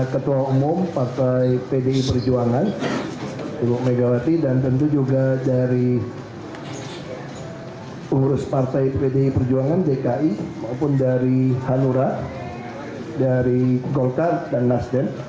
ketua umum partai pdi perjuangan ibu megawati dan tentu juga dari pengurus partai pdi perjuangan dki maupun dari hanura dari golkar dan nasdem